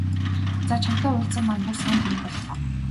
За чамтай уулзсан маань бүр сайн хэрэг боллоо.